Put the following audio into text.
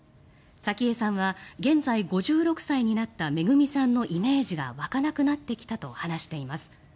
早紀江さんは現在、５６歳になっためぐみさんのイメージが湧かなくなってきたと話しています。